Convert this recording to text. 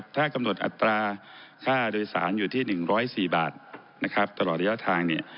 ถ้ากำหนดอัตราค่าโดยสารอยู่ที่๑๐๔บาทตลอดระยะทาง